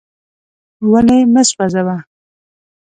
ونې مه سوځوه.